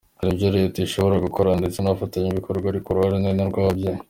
Hari ibyo Leta ishobora gukora ndetse n’abafatanyabikorwa ariko uruhare runini ni urw’ababyeyi.